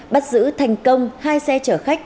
bắt giữ thành công hai xe chở khách